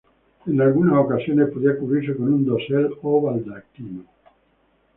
En algunas ocasiones podía cubrirse con un dosel o baldaquino.